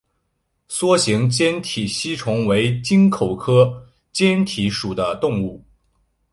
梭形坚体吸虫为棘口科坚体属的动物。